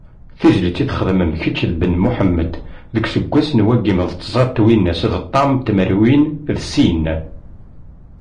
Tizlit i txedmem kečč d Ben Muḥemmed deg useggas n wagim d tẓa twinas d ṭam tmerwin d sin?